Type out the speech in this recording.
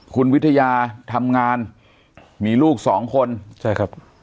คุณวิทยาทำงานมีลูกสองคนใช่ครับ